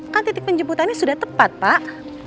kan titik penjemputannya sudah tepat pak